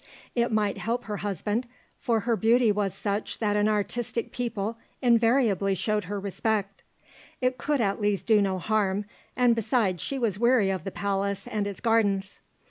It might help her husband, for her beauty was such that an artistic people invariably showed her respect. It could at least do no harm, and besides she was weary of the palace and its gardens.